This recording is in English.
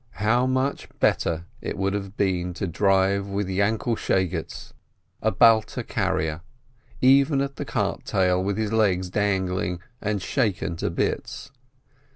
How much better it would have been to drive with Yainkel Shegetz, a Balta carrier, even at the cart tail, with his legs dangling, and shaken to bits.